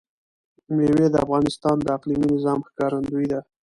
مېوې د افغانستان د اقلیمي نظام ښکارندوی ده.